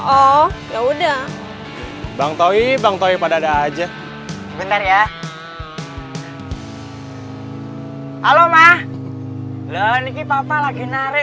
oh ya udah bang toi bang toi pada ada aja sebentar ya halo ma lalu ini papa lagi narek